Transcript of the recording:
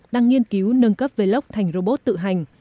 đang nghiên cứu nâng cấp velox thành robot tự hành